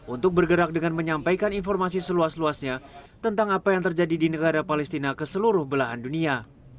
untuk bergerak dengan menyampaikan informasi seluas luasnya tentang apa yang terjadi di negara palestina ke seluruh belahan dunia